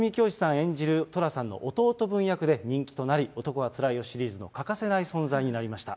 演じる寅さんの弟分役で人気となり、男はつらいよシリーズの欠かせない存在になりました。